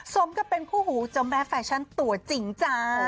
สมกับเป็นคู่หูเจ้าแม่แฟชั่นตัวจริงจ้า